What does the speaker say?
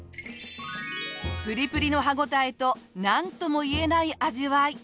プリプリの歯応えとなんともいえない味わい。